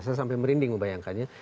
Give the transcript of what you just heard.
saya sampai merinding membayangkannya